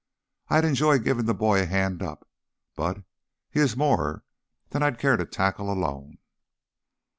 I'd enjoy giving the boy a hand up, but he is more than I'd care to tackle alone."